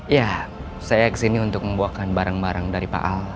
iya saya ke sini untuk membuahkan barang barang dari pak al